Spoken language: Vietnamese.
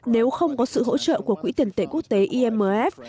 nếu không có sự hỗ trợ của quỹ tiền tệ quốc tế imf